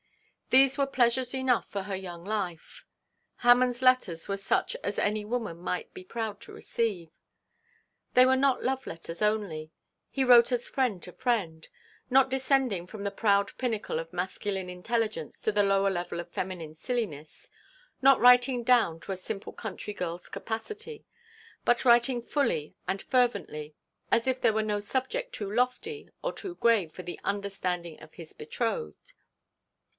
These were pleasures enough for her young life. Hammond's letters were such as any woman might be proud to receive. They were not love letters only. He wrote as friend to friend; not descending from the proud pinnacle of masculine intelligence to the lower level of feminine silliness; not writing down to a simple country girl's capacity; but writing fully and fervently, as if there were no subject too lofty or too grave for the understanding of his betrothed.